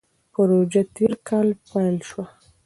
پروژه تېر کال پیل شوه.